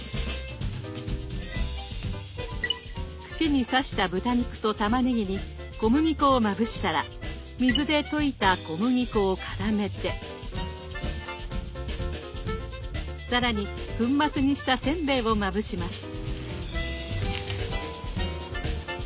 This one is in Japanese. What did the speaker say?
串に刺した豚肉とたまねぎに小麦粉をまぶしたら水で溶いた小麦粉をからめて更に粉末にしたせんべいをまぶします。